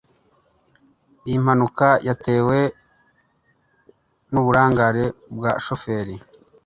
iyi mpanuka yatewe n'uburangare bwa shoferi